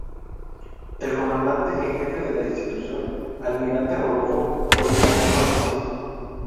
El comandante en jefe de la institución, almirante Rodolfo Codina, no asistió.